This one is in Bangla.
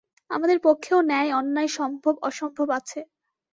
আমাদের পক্ষেও ন্যায়-অন্যায় সম্ভব-অসম্ভব আছে।